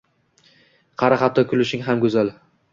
Qara xatto kutilishing ham go’zal